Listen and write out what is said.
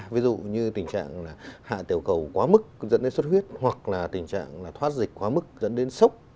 ví dụ như tình trạng hạ tiểu cầu quá mức dẫn đến xuất huyết hoặc là tình trạng là thoát dịch quá mức dẫn đến sốc